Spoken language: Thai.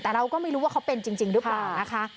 แต่เราก็ไม่รู้ว่าเขาเป็นจริงหรือเปล่านะคะ